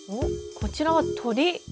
こちらは。